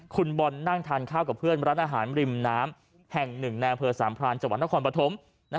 คุณบอลนั่งทานข้าวกับเพื่อนร้านอาหารริมน้ำแห่ง๑แนวเผอร์สามพลานจวัญละครปฐม